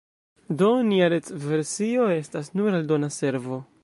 Do nia retversio estas nur aldona servo.